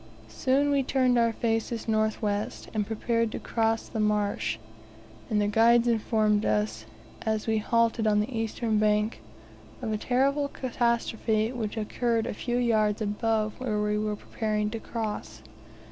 Soon we turned our faces northwest, and prepared to cross the marsh; and the guides informed us, as we halted on its eastern bank, of a terrible catastrophe which occurred a few yards above where we were preparing to cross.